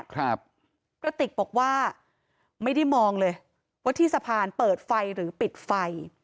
กระติกบอกว่าไม่ได้มองเลยว่าที่สะพานเปิดไฟหรือปิดไฟ